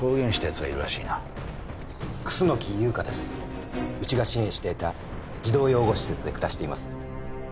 うちが支援していた児童養護施設で暮らしています。